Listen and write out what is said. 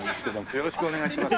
よろしくお願いします。